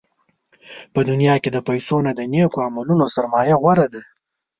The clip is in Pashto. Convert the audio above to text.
په دنیا کې د پیسو نه، د نېکو عملونو سرمایه غوره ده.